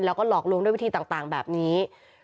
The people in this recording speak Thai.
แล้วก็หลอกลวงด้วยวิธีต่างแบบนี้